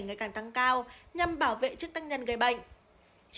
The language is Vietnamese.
ngày càng tăng cao nhằm bảo vệ chức tác nhân gây bệnh